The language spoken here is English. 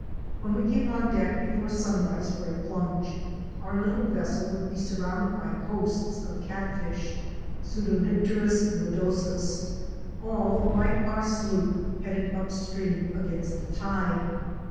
When we came on deck before sunrise for a plunge, our little vessel would be surrounded by hosts of catfish (Pseudaucheni plerus nodosus) all, like our sloop, headed upstream against the tide.